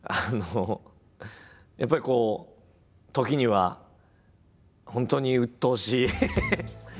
やっぱりこう時には本当にうっとうしい。